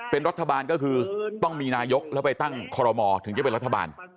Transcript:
เป็นรัฐบาลก็คือต้องมีนายกแล้วไปตั้งคอรมอถึงจะเป็นรัฐบาล